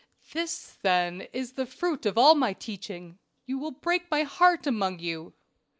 "This, then, is the fruit of all my teaching. You will break my heart among you.